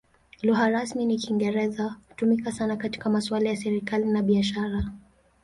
Lugha rasmi ni Kiingereza; hutumika sana katika masuala ya serikali na biashara.